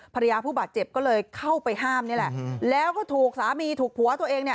ภรรยาผู้บาดเจ็บก็เลยเข้าไปห้ามนี่แหละแล้วก็ถูกสามีถูกผัวตัวเองเนี่ย